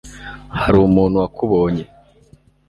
hari umuntu wakubonye